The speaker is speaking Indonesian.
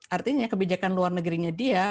artinya kebijakan luar negerinya dia